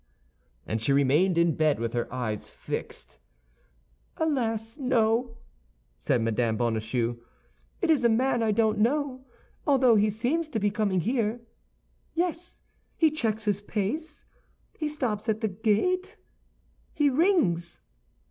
And she remained in bed with her eyes fixed. "Alas, no!" said Mme. Bonacieux; "it is a man I don't know, although he seems to be coming here. Yes, he checks his pace; he stops at the gate; he rings."